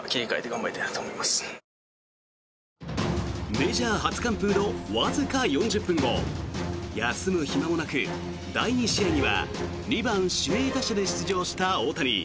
メジャー初完封のわずか４０分後休む暇もなく、第２試合には２番指名打者で出場した大谷。